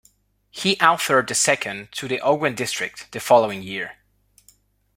He authored the second, to the Ogwen District, the following year.